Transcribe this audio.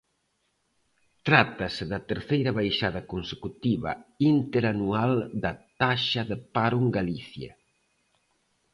Trátase da terceira baixada consecutiva interanual da taxa de paro en Galicia.